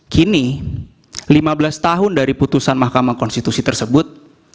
kini lima belas tahun dari putusan mahkamah konstitusi tersebut